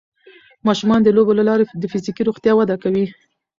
ماشومان د لوبو له لارې د فزیکي روغتیا وده کوي.